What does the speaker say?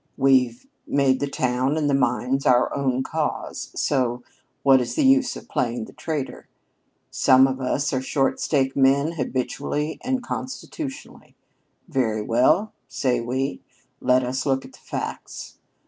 We've made the town and the mines our own cause, so what is the use of playing the traitor? Some of us are short stake men habitually and constitutionally. Very well, say we, let us look at the facts.